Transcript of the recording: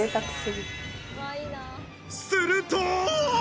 すると。